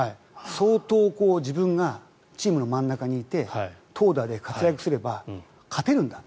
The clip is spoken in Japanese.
相当自分がチームの真ん中にいて投打で活躍すれば勝てるんだ。